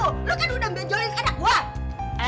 lo kan udah benjolin anak gue